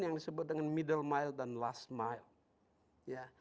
yang disebut dengan middle mile dan last mile